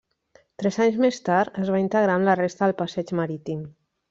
Tres anys més tard es va integrar amb la resta del passeig marítim.